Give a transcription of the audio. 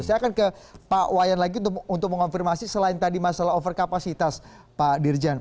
saya akan ke pak wayan lagi untuk mengonfirmasi selain tadi masalah over kapasitas pak dirjen